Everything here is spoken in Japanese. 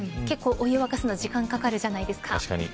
結構、お湯を沸かすのに時間がかかるじゃないですか。